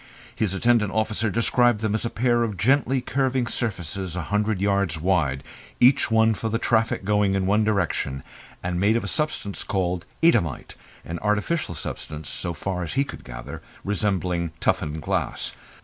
His attendant officer described them as a pair of gently curving surfaces a hundred yards wide, each one for the traffic going in one direction, and made of a substance called Eadhamite an artificial substance, so far as he could gather, resembling toughened glass.